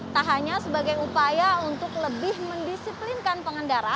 tak hanya sebagai upaya untuk lebih mendisiplinkan pengendara